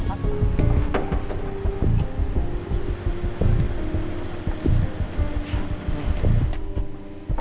aku pergi sebentar ya